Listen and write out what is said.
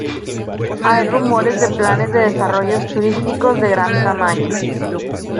Hay rumores de planes de desarrollos turísticos de gran tamaño.